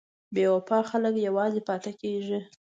بې وفا خلک یوازې پاتې کېږي.